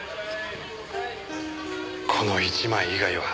この１枚以外は。